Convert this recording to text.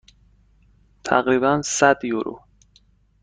تقریبا صد یورو.